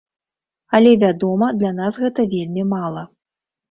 Але, вядома, для нас гэта вельмі мала.